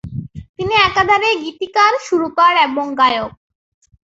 তিনি একাধারে গীতিকার, সুরকার এবং গায়ক।